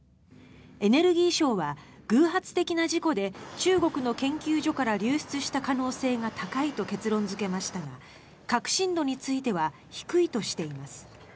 エネルギー省は偶発的な事故で中国の研究所から流出した可能性が高いと結論付けましたが確信度については低いとしています。